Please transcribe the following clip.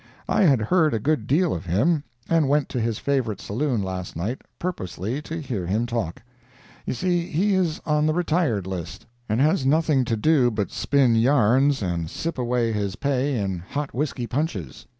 I had heard a good deal of him, and went to his favorite saloon, last night, purposely to hear him talk—you see he is on the retired list, and has nothing to do but spin yarns and sip away his pay in hot whiskey punches.